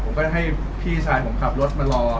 ผมก็จะให้พี่ชายผมขับรถมารอ